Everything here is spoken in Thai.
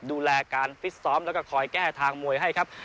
ดูแลการฟิตซ้อมแล้วก็คอยแก้ทางมวยให้ครับ